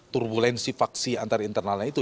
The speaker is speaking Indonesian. turbulensi faksi antar internalnya itu